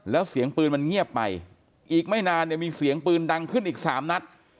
แล้วเสียงปืนมันเงียบไปอีกไม่นานเนี่ยมีเสียงปืนดังขึ้นอีกสามนัด